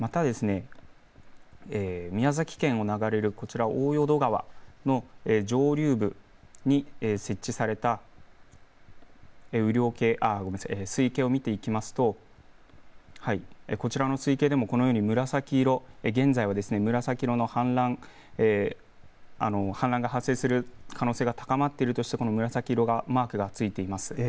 宮崎を流れる大淀川の上流部に設置された水位計を見ていきますとこちらの水位計でも紫色現在は紫色の氾濫が発生する可能性が高まっているとして紫色のマークがついています。